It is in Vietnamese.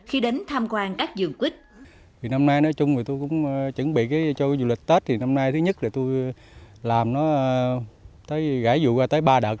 khi đến tham quan các vườn quýt